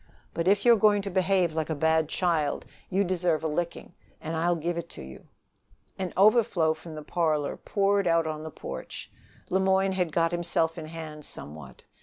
But if you are going to behave like a bad child, you deserve a licking, and I'll give it to you." An overflow from the parlor poured out on the porch. Le Moyne had got himself in hand somewhat.